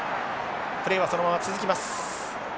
プレーはそのまま続きます。